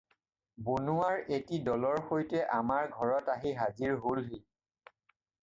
বনুৱাৰ এটি দলৰ সৈতে আমাৰ ঘৰত আহি হাজিৰ হ'লহি।